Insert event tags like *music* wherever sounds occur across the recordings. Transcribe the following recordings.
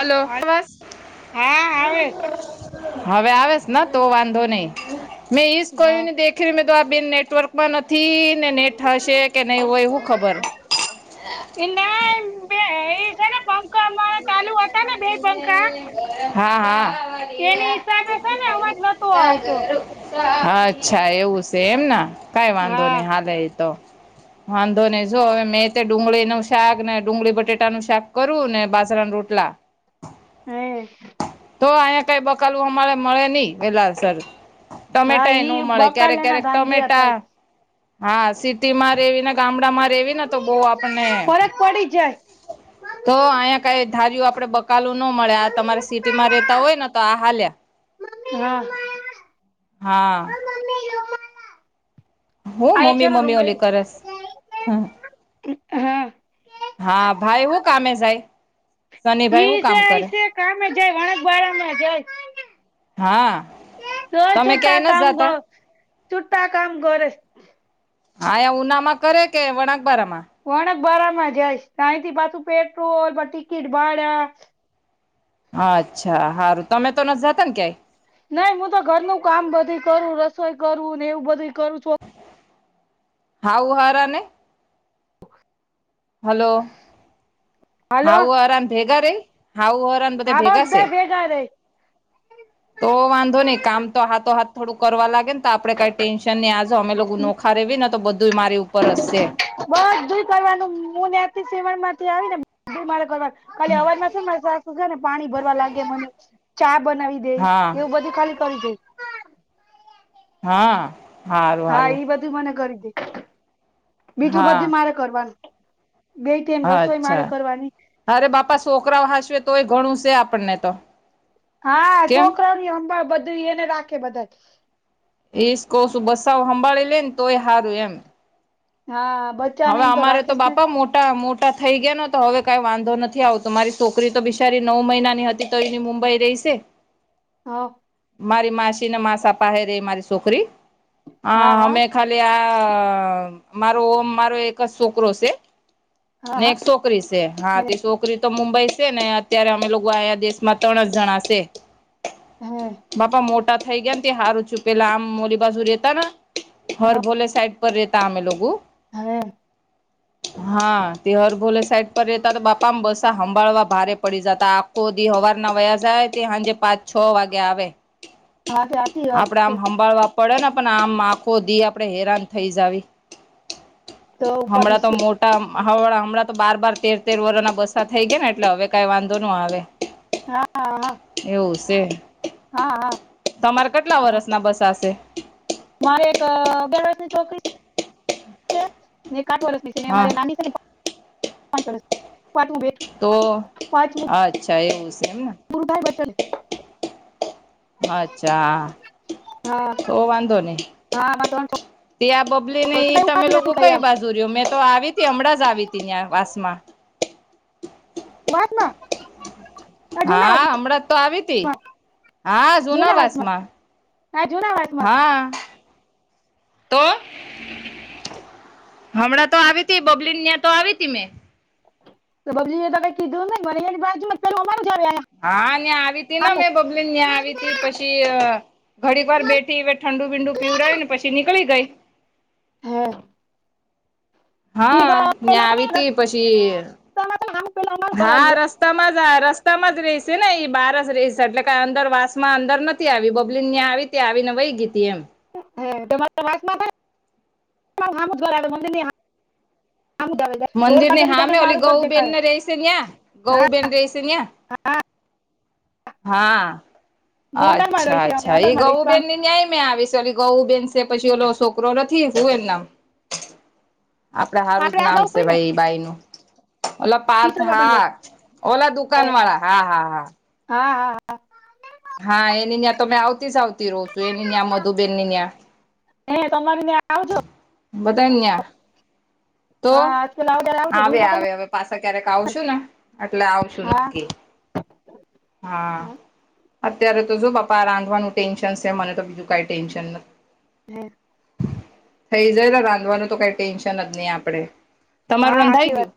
Hello, હાલ હા આવે આવાજ હવે આવેસ ને તો વાંધો નહી, મેં ઈશ હા કય્યુંને દે. આખીરમે તો આ બિન નેટવર્કમાં નથી ને નેટ હશે કે નહીં હોય હું ખબર એ ના *unintelligible* છે ને પંખા મા *unintelligible* હા હા. એની હિસાબે છે ને અવાજ નતો આવતો અચ્છા એવું છે એમ ના કઈ વાંધો હા નહી હાલે એ તો વાંધો નહીં જો હવે મેં તે ડુંગળી નું શાક ને ડુંગળી બટેટા નું શાક કરું ને બાજરાનું રોટ ટલા હે તો અહીયા કઈ બકાલું અમારે મળે નહી વેલા સર હા ટમેટા એ ન ઈ મળે બકા ક્યારેક લેના ક્યારેક ધાંધિયા હતા ટમેટા હા સિટી માં રેવી ને ગામડામાં રેવી ને તો બહુ આપને ફરક પડી જાય તો અયા કઈ ધારીયું આપડે બકાલું ન મળ્યા આ તમારે સિટીમાં રેતા હોય ને તો આ હાલ્યા હા હા. હું આ છે મમ્મી ને રૂમ મમ્મી ઓલી લઈ કરસ હમ. હા હા ભાઈ હું કામે જાય. શનિભાઈ હું કામ કરે *unintelligible* કામે જાય વણગ *unintelligible* ને જાય. હા. *unintelligible* તમે છુટા ક્યાંય કામ નથી જતા કર છુટ્ટા કામ કરે હા એ ઉનામાં કરે કે વણાકબરામાં વણક બરા માં જાયશ *unintelligible* પાછું પેટ્રોલ ટિકિટ ભાડા હા અચ્છા હારું તમે તો ન જાતા ને ક્યાય નાઈ હું તો ઘર નુ કામ બધું કરું રસોઈ કરુંને એવું બધું કરું છો હાહુ હાહરાને હલો હાલો હાઉ હાહરાન ભેગા રે હાઉ *unintelligible* બધા હા ભેગા સે ભેગા રહી તો વાંધો નઈ કામ તો હાથતો હાથ થોડું કરવા લાગે. આપણે કઈ ટેન્શન નહી આજો અમે લોકો નોખા રેવી ને તો બધું મારી ઉપર હશે. બસ દુઈ કરવાનુંને *unintelligible* માંથી આવી ને મા કરવાનું ખાલી હવારજ માં છે માર *unintelligible* ને પાણી ભરવા લાગે મને ચા બનાવી દે હા એવું બધું ખાલી કરી દે હા. હારું હા હારું ઈ બધું મને કરી દે બીજું હા બધું મારે કરવાનું બેઈ ટાઈમ રસોઈ માળ અચ્છા કરવાની અરે બાપા છોકરા હાચવે તોય ઘણું છે આપણને તો હા કેમ છોકરાની હંભાળ બધું એને રાખે બધા ઈજ કોશુ બસ્સા હંભાળે લે ને તોય હારું એમ. હા. બચ્ચાને હવે એમ અમારે તો રાખેશ ને બાપા મોટા મોટા થઈ ગયાને તો હવે કઈ વાંધો નથી આવતો મારી છોકરી તો બિશારી નવ મહિના ની હતી તો એની મુંબઈ રહીશે. *inaudible* હ મારી માસી ને માસા પાહે રે મારી છોકરી હ હા હા અમે ખાલી આ મારો ઓમ મારો એક જ છોકરો છે ને હા એક છોકરી છોકરી છે હા તે છોકરી તો મુંબઈ છે ને અત્યારે અમે લોકો અયા દેશમાં ત્રણ જણા છે. *inaudible* હા બાપા મોટા થઈ ગયા ને, તે હારું ચૂપેલા આમ મોલી બાજુ રેતા હર ભોલે સાઈબ. રેતા અમે લોગો. હવે. હા, ત હરભોલે સાઈડ પર રેતા તો બાપામ બસા સાંભાળવા ભારે પડી જતા *inaudible* કોદી હવાર ના વયા જાય તે, સાંજે પાંચ-છ વાગે આવે. હા સાચી વાત આપડે છે આમ હંમભાળવા પડે ને, પણ આમ આખો દી આપડે, હેરાન થઇ જ આવી. તો ઉપાધિ હમણાં તો છે મોટ હમણાં તો બાર-બાર, તેર-તેર વરના બસા થઈ ગયા ને, એટલે હવે વાંધો ન આવે. હા હા એવું છે. હા, હા. તમારે કેટલા વરસ ના બસ હશે? મારે એક છોકરી આઠ વી હા છે. ક કર. તો અચ્છા એવું એમને. પુરભાઈ બટલ. અચ્છા. હા તો વાંધો નઈ હા અમારે ત્રણ ત્યા આ બબલી ને, છોકરો છે કઈ તમે ઉપાધિ લોકો નથી કઈ આમ ભસે ર મેં તો આવી તી હમણાં જ આવી તી ત્યાં વાસમાં. માત ના *unintelligible* હા, હમણાં તો આવી તી વાસમાં હા જુનાવાસ માં. હા, જુના વાતમાં. તો. હ. હમણાં તો આવી તી, બબલીન ત્યાં તો આવી હતી મેં. તો પબજી એ તો કઈ કીધું નને, મરિયામાં કરવાનું આવે. હા, અહીંયા યા આવી તી ને, હામું મેં બબલીયાં આવી તી પછી. ઘડીક વાર બેઠી, હવે ઠંડુ બીંડું પીવડાવ્યું ને, પછી નીકળી ગઈ. હા. હા પેલા છે આવી ને તી પછી રસ્તામાં છે ને હામું પેલું અમારું જ ઘર હા આવીએ રસ *unintelligible* રસ્તામાં જ રસ્તામાં જ રહીશે ને, એ બહાર જ રહીશે, એટલે કે અંદર વાસ માં અંદર નથી આવી, બબલી ત્યાં આવી. ત્યાં આવીને, વહી ગી તી એમ. હ તમાસમાં. હમદરા *unintelligible* મંદિર ની હામે ઓલી ગૌ બેેન ને ર રહેશે ્ યાં ગૌ હા બેેન ર રહેશેયાં *unintelligible* હા હા. હું અંદર માં અચ્છા, રહીશ અમે અચ્છા, અંદર એઈ માં રહીશ પણ ગૌબેન ની ન્યાય મેં આવે સોલી. ગૌ બેન છે, પછી ઓલો છોકરો નથી શું એનું નામ? આપડા હારું આપડે જ આ નામ ગાવું છે, કોઈ ને ભાઈ બાઈ નું. ઓલા પાર્થ કિશોર બાપા ને હા, ગાવું. ઓલા દુકાન વાળા, હા, હા, હા. હા, હા. હા ‌. હા, એની ત્યાં તમે આવતી જ આવતી રહો છો, એની ત્યાં મધુબેન ની ત્યાં. હ તમ કને આવ છો- *unintelligible* બધા આયા. તો હા આજ પેલા આવો ત્યારે આવજો આવે, ભૂલી જતા ને આવે હવે પાછા ક્યારેક આવશું ને, એટલે આવશું હા નકી- હા અત્યારે તો જો પપા આ રાંધવાનું ટેન્શન છે મને તો બીજું કઈ ટેન્શન નથી હે થઇ જાય રાંધવાનું તો કઈ ટેન્શન જ નહી આપડે. તમાર હા રંધાઈ સાચી વાત ગયું?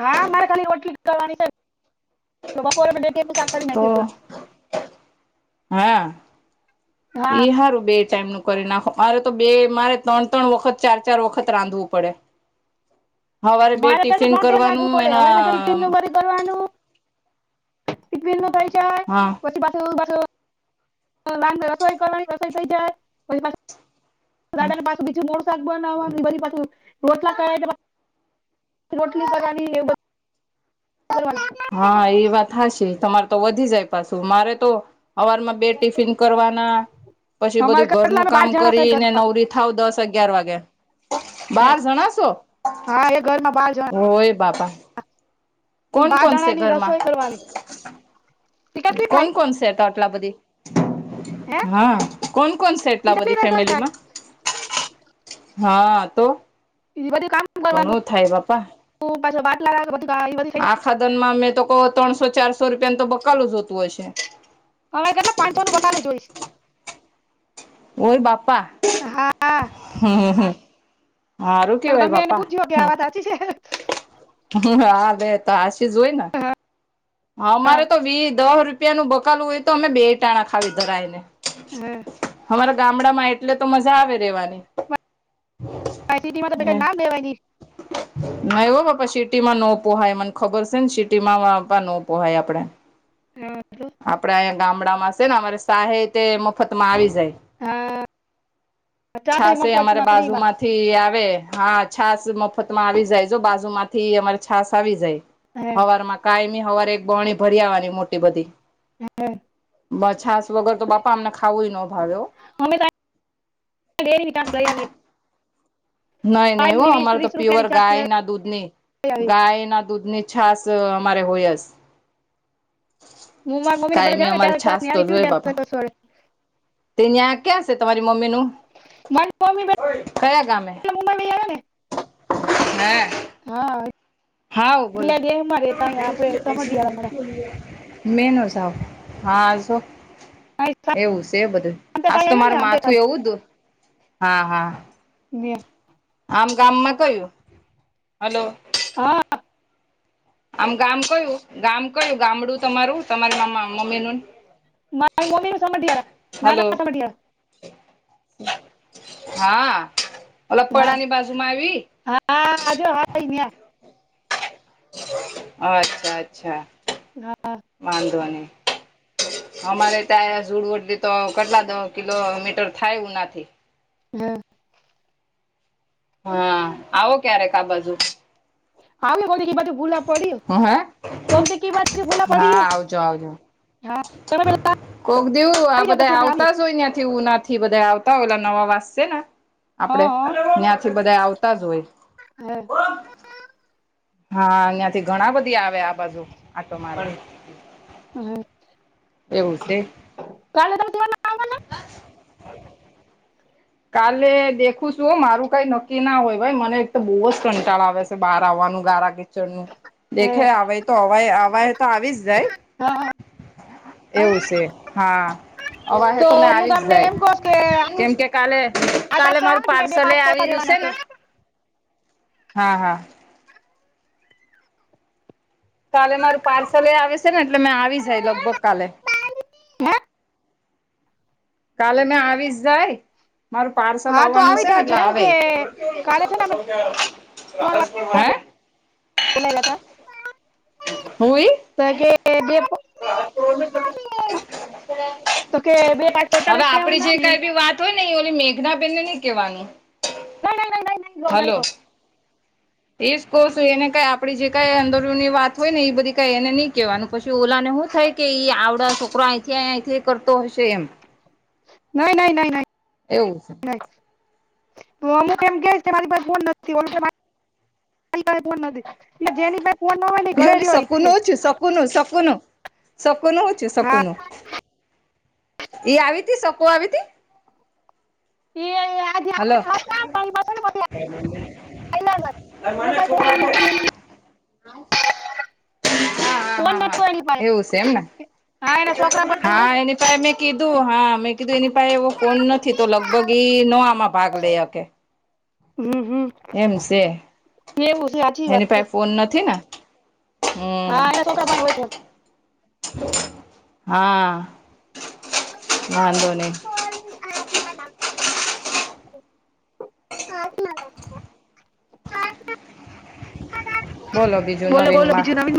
હા મારે ખાલી રોટલી કરવાની છે બપોરે શાક કરી તો નાખીશું હા હા ઈ સારું બે ટાઈમનું કરી નાખો મારે તો બે મારે ત્રણ ત્રણ વખત ચાર ચાર વખત રાંધવું પડે. હવારે બે મારે કેજે ટિફિન ત્રણ ટાઈમ રાંધવું કરવાનું પડે એના હવે મારે *unintelligible* *unintelligible* હા. પછી પાછું પાછું રસોઈ કર રસોઈ થઈ જાય પછી પાસે ના પાસે બીજું નવું શાક બનાવાનું પછી પાછું રોટલા કર રોટલી કરવાની એવું *unintelligible* હા એ વાત હાચી તમાર તો વધી જાય પાછું મારે તો હવારમાં બે ટિફિન કરવાના પછી અમારે બધું ઘરનું કેટલા બાર કામ જણા છે કરીને ઘરમાં નવરી થાવ દસ અગિયાર વાગે હે બાર જણા છો હા એ ઘરમાં બાર જણા હોય બાપા. ઈ કોન બાર જણા કોનસે ની ઘરમાં રસોઈ કરવાની ઈ કેટલી કોન થાય કોનસે એટલા બધી હે હા કોણ કોણ છે ઈ એટલા બધી કેટલી રસોઈ થાય ફેમિલીમાં હા તો એ બધું કામ કરવાનું ઘણું થાય બાપા પાછા બાટલા બધ- મા મે તો કો ત્રણસો ચારસો રૂપિયાને તો બકાલું જોતું હશે. હવે કેટલા પાનસોનું પતાલું જોઇશ. ઓય બાપા હા હમ હ- સારું તમે કેવાય ગમે એને બાપા પૂછ્યો કે આ વાત સાચી છે હા બે તો હાસી જ હોય ન હા, હા અમારે તો વી દહ રૂપિયાનું બકાલું હોય તો અમે બે ટાણા ખાવી ધરાયને. હા અમારા ગામડામાં એટલે તો મજા આવે રેવાની. *unintelligible* ના એવ બાપા સિટીમાં નોપોહાય મને ખબર છે ને સિટી માંપા ન પોહાય આપડે *unintelligible* આપડે અહીંયા ગામડામાં છે ને અમારે સાહે તે મફતમાં આવી જાય ચાતે છાશે અમારે મફતમાં ફ્રીમાં બાજુમાં- થી આવે હા છાસ મફતમાં આવી જાય જો બાજુ અમારે છાસ જાય. હે હવારમાં કાયમી હવાર એક બરની ભરી આવવાની મોટી બધી. *unintelligible* માર છાસ વગર તો બાપા અમને ખાવું ન ભાવે હો. *unintelligible* નહી નહી ની એવું વીસ અમારે તો ત્રીસ પ્યૉર રૂપિયાની છાશ લઈ ગાયના દૂધની આવી ગાયના દૂધની છાસ અમારે હોય હસ હું મારી મમ્મીના ઘરે કાયમી જાઉં ને અમારે ત્યારે છાશ છાસ ની તો હારી પીવી ને જોઈએ ત્યારે બાપા. સંતોષ વળે તે ન્યાં ક્યાં સે તમારી મમ્મીનું? મારી મમ્મી-બેન મુમા લઈ આયા ને. એ... હા હાવ, બોલો. પેલા દેહમાં રહેતા અહીંયા આપણે સમઢિયાળા મળે *unintelligible* મેનઝાવ હા આઝો. અહીં એવું સે બધું, સાંતે હાસ પાઈ તો આવ્યો ને મારું આમતે માથું પાઈ એવું દુ. હા, હા. નીયા. આમ ગામમાં કયું? હાલો. અ... આમ ગામ કયું ગામ કયું ગામડું તમારું તમારી મા મ મમ્મી નું? મારે મમ્મીનું સમત્તિ વારા ના હલો ના સમત્તિ આરા હા, અલક પળાની બાજુમાં આવી. હા આજ હા આયી ગ્યા. અ અચ્છા-અચ્છા હા વાંધો ની. અમારે ત્યાં દૂડ ઓતી તો કટલા કિલોમીટર થાય ઓનાથી. ડ હા, આવો ક્યારેક આ બાજુ. આવ્યુ કો કી બાજુ. ભૂલા પડ્યું હુ હે. કોક દીકી બાજુ ભૂલા હા, પડ્યું આવજો-આવજો. હા તમે પેલા કોક દેવું આવી આ ગયા બધાય પછી અમે આવ્યું આવતા જ ઓય ને આ કેવુ ના એ બધાય આવતા હોય ઓલા નવા વાસ સે, ને આપડે હા ત્યાંથી બધા આવતા જ હોય. હે. હા, અઈયાંથી ઘણા બધી આવે આ બાજુ આટો મારે હા એવું સે. કાલે ત નથ રેવાના. *unintelligible* કાલે દેખું સું. મારું કાંઈ નક્કી ના હોય ભાઈ, મને એક તો બો ઝ કંટાળ આવે સે બાર આવવાનું ગાર કે જણનું. હે, દેખે આવાય તોવાય આવાય તો આવી જ ઝાય. હા, હા, હા. એવું સે, હા. અવા હે તો મે હું આવી તમને ઝાય, એમ કહું કે કેમ કે આધાર કાલે-કાલે મારું કાર્ડ ને બે પાર્સલેય પાસપોર્ટ આવી રીયુ લેવાના સે છે ને. હા, હા. કાલે મારું પાર્સલેય આવે સે ને એટલે મેં આવી ઝાય, લગભગ કાલે. પાની. હે. કાલે મે આવીશ ઝાય. મારુ પાર્સલ હા તો આવવાનુ સે આવી ને જાજો એટલે એમ આવે. કે કાલે છે ને આપણે હે! બોલાયલા તા. હુંઈ. ત-કે-કે-એ-પો ને-આ-આવે. તો કે બે-પાન-બોટા લઈ આવાના ને તોય નઈ ઓલી મેઘનાબેનને ની કેવાનું. નાઈ નાઈ નાઈ. થાલો. એ ઝ કોશું, એને કઈ આપડી જે કઈ અંદરોની વાત હોય ને, એ બધી કાઈ એને ની કેવાનું પછી ઓલા ને હું થાય. કે આવડા છોકરો અંહથી અહથી કરતો હશે એમ. નહી નહીં નહીં એવું નહીં તો અમુક એમ કે મારી પાસે ફોન નથી *unintelligible* ફોન નથી એટલે જેની પાસે ફોન ના હોય એ ઘરે રહો ઈ કે કોનું શકું નું શકુ નું હું થયું શકુ હા નું એ આવી તી શકું આવી તી *inaudible* પ હલો *unintelligible* હા હા હા હા એવું છે એમને *unintelligible* હા એની પાહે મેં કીધું હા મેં કીધું એની પાહે એવો ફોન નથી તો લગભગ ઈ નો આમ ભાગ લઈ હકે હમ-હમ એમ છે વાત એની છે પાહે ફોન નથી ને હમ હા એના છોકરા પાસે હોય ફોન હા વાંધો નહી *unintelligible* *unintelligible* બોલો બીજું બોલો નવીન બોલો માં. બીજું નવીન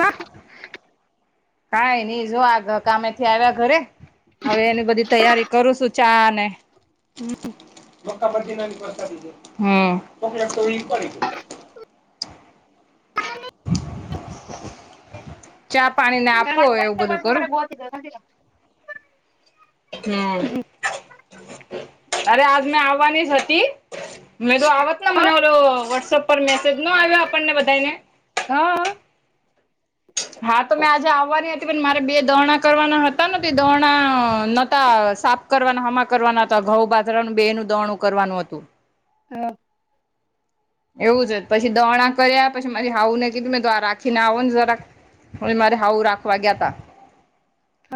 કાઈ નઈ જો આ ઘ કામેથી આવ્યા ઘરે હવે એની બધી તૈયારી કરું છું ચા ને હમ્મ ચા પાણી ને હા આપવુંય એવું બધું કરું *unintelligible* હમ અરે આજ મેં આવવાની જ હતી મે તો આવત ને મને ઓલો વોટ્સએપ પર મેસેજ ન આવ્યો આપણને બધા ને હા. હા તો મેં આજે આવવાની હતી પણ મારે બે દોણા કરવાના હતા ન તે દોણા નતા સાપ કરવાના હમા કરવાના હતા ઘઉં બાજરાનું બે નું દરણું કરવાનું હતું. હા. એવું જ પછી દરણા કર્યા પછી મારી હાહું ને કીધું મેં તો રાખીને આવો ને જરા પહી મારી હાહું રાખવા ગયા તા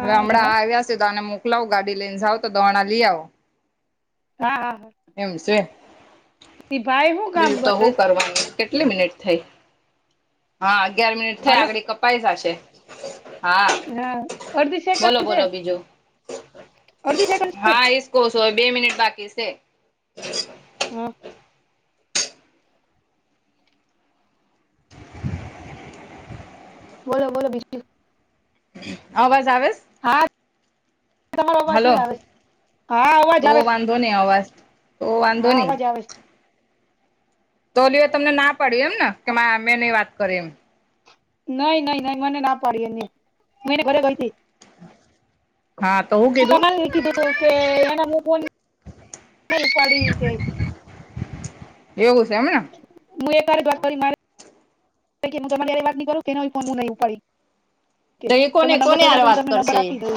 હવે હમણાં આ આવ્યા છે તો આને મોકલાવું ગાડી લઈને જાઓ તો દરણા લઈ આવો હા. હા એમ છે ભાઈ હું કામ બીજું તો કરે હું કરવાનું કેટલી મિનિટ થઈ હા અગિયાર મિનિટ થઈ હાલો આગળ *unintelligible* પૈસા છે હા હા અર્ધી તો સેકન્ડ છે બોલો બીજું અડધી સેકન્ડ છે હા એજ કઉ છું હવે બે મિનિટ બાકી છે. હ *unintelligible* હમ્મ બોલો બોલો બીજું અવાજ આવેછ. હા તમાર *unintelligible* હા અવાજ આવે આવતો ને અવાજ તો વાંધો હા નહી અવાજ આવે તો લીયો તમને ના પાડી એમ ને કે મા મે નઈ વાત કરે એમ? નઈ નઈ નઈ મને ના પાડી એની મેં એની ઘરે ગઈતી હા તો હું કીધું *inaudible* એવું છે એમને *inaudible* હું તમારીય વાત ની કરું એનો ય ફોન નહી ઉપડી તો એ કોને તમાર નંબર કોને જોતા હારે હું વાત તમને નંબર કરશે એ આપી દઉ